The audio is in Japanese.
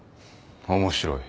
面白い。